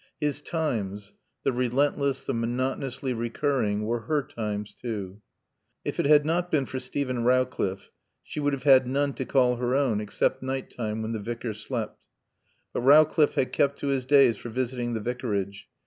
His times, the relentless, the monotonously recurring, were her times too. If it had not been for Steven Rowcliffe she would have had none to call her own (except night time, when the Vicar slept). But Rowcliffe had kept to his days for visiting the Vicarage.